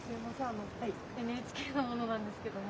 ＮＨＫの者なんですけども。